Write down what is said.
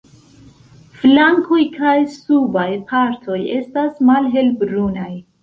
Flankoj kaj subaj partoj estas malhelbrunaj.